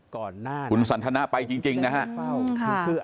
คุณสันธนะไปจริงนะครับ